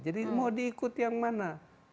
jadi mau diikut yang mana